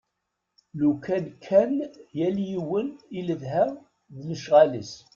Lukan kan yal yiwen iletha d lecɣal-is.